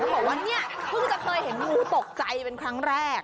เขาบอกว่านี่กูจะเคยเห็นงูตกใจเป็นครั้งแรก